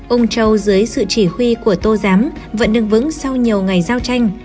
ông châu dưới sự chỉ huy của tô giám vẫn đứng vững sau nhiều ngày giao tranh